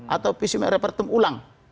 atau pismik repartum ulang